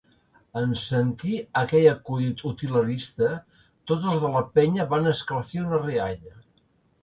En sentir aquell acudit utilitarista, tots els de la penya van esclafir una rialla.